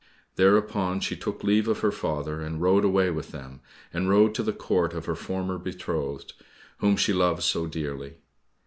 Thereupon she took leave of her father, and rode away with them, and rode to the court of her former betrothed, whom she loved so dearly.